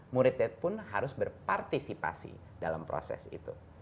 muridnya pun harus berpartisipasi dalam proses itu